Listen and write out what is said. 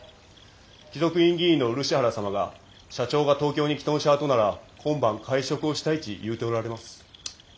貴族院議員の漆原様が社長が東京に来とんしゃあとなら今晩会食をしたいち言うておられます。